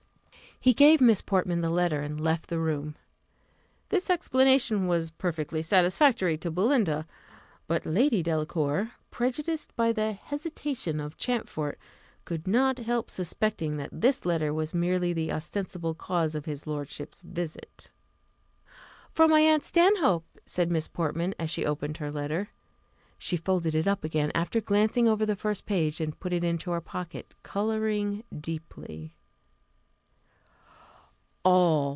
He gave Miss Portman the letter, and left the room. This explanation was perfectly satisfactory to Belinda; but Lady Delacour, prejudiced by the hesitation of Champfort, could not help suspecting that this letter was merely the ostensible cause of his lordship's visit. "From my aunt Stanhope," said Miss Portman, as she opened her letter. She folded it up again after glancing over the first page, and put it into her pocket, colouring deeply.